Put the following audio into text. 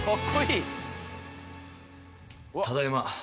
ただいま。